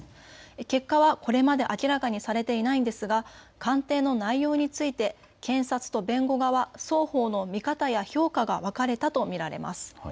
結果はこれまで明らかにされていないんですが鑑定の内容について検察と弁護側は双方の見方や評価が分かれたと見られます。